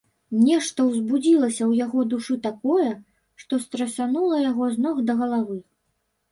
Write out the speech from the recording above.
Нешта ўзбудзілася ў яго душы такое, што страсянула яго з ног да галавы.